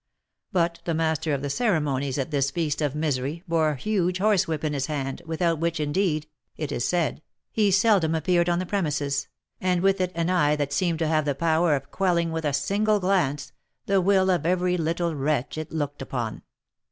But the master of the ceremonies at this feast of misery bore a huge horsewhip in his hand, without which indeed, it is said, he seldom appeared on the premises, and with it an eye that seemed to have the power of quelling with a single glance, the will of every little wretch it looked upon.